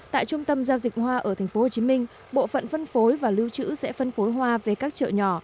tại trung tâm giao dịch hoa ở tp hcm bộ phận phân phối và lưu trữ sẽ phân phối hoa về các chợ nhỏ